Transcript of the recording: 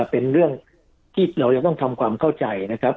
เป็นเรื่องที่เราจะต้องทำความเข้าใจนะครับ